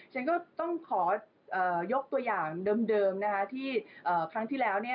ฉันก็ต้องขอยกตัวอย่างเดิมนะคะที่ครั้งที่แล้ว